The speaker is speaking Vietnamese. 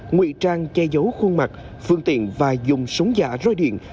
ngụy trang che giấu khuôn mặt phương tiện và dùng súng giả roi điện